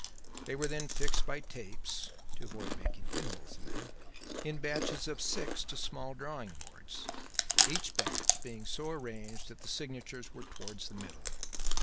They were then fixed by tapes to avoid making pin holes in them in batches of six to small drawing boards, each batch being so arranged that the signatures were towards the middle.